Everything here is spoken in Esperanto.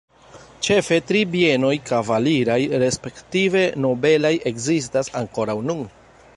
Ĉefe tri bienoj kavaliraj respektive nobelaj ekzistas ankoraŭ nun.